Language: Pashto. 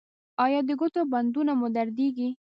ایا د ګوتو بندونه مو دردیږي؟